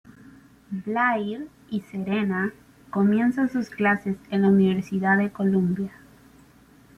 Blair y Serena comienzan sus clases en la universidad de Columbia.